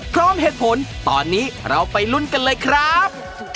พร้อมเหตุผลตอนนี้เราไปลุ้นกันเลยครับ